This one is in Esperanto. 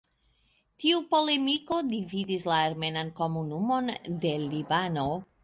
Tiu polemiko dividis la armenan komunumon de Libano.